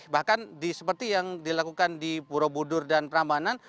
bahkan seperti yang dilakukan di borobudur dan prambanan